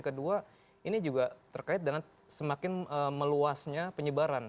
kedua ini juga terkait dengan semakin meluasnya penyebaran